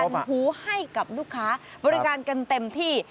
หูให้กับลูกค้าบริการกันเต็มที่